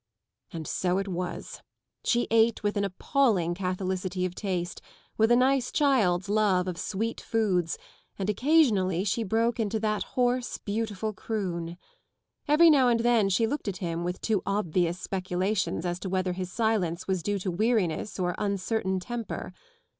And so it was. She ate with an appalling catholicity of taste, with a nice child's love of sweet foods, and occasionally she broke into that hoarse beautiful croon. Every now and then she looked at him with too obvious speculations as to whether his silence was due to weariness or uncertain temper.